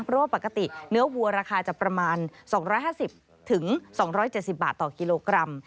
เพราะว่าปกติเนื้อวัวราคาจะประมาณ๒๕๐๒๗๐บาทต่อกิโลกรัม